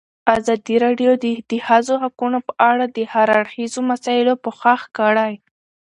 ازادي راډیو د د ښځو حقونه په اړه د هر اړخیزو مسایلو پوښښ کړی.